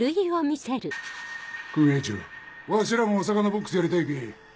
組合長わしらもお魚ボックスやりたいけぇ